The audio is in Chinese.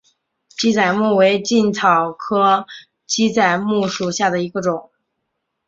鸡仔木为茜草科鸡仔木属下的一个种。